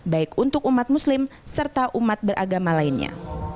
baik untuk umat muslim serta umat beragama lainnya